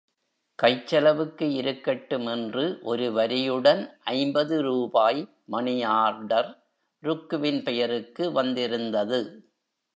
கைச் செலவுக்கு இருக்கட்டும் என்று ஒரு வரியுடன் ஐம்பது ரூபாய் மணியார்டர் ருக்குவின் பெயருக்கு வந்திருந்தது.